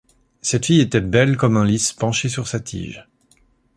Cette fille était belle comme un lys penché sur sa tige.